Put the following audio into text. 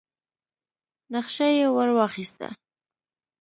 نخشه يې ور واخيسه.